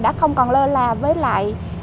đã không còn lơ là với lại